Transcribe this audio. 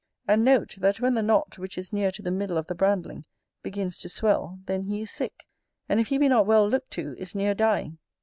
And note, that when the knot, which is near to the middle of the brandling, begins to swell, then he is sick; and, if he be not well looked to, is near dying.